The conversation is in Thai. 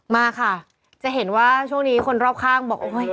มาค่ะจะเห็นว่าช่วงนี้คนรอบข้างบอกโอ๊ย